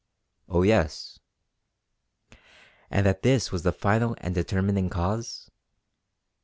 "Oh yes!" "And that this was the final and determining cause?"